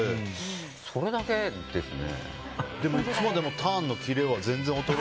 それだけですね。